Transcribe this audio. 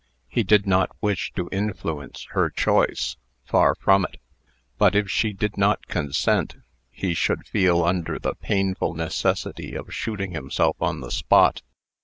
He did not wish to influence her choice far from it but, if she did not consent, he should feel under the painful necessity of shooting himself on the spot.